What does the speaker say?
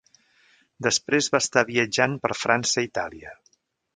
Després va estar viatjant per França i Itàlia.